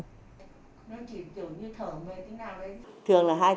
nó chỉ kiểu như thở mê thế nào đấy